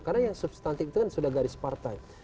karena yang substantif itu kan sudah garis partai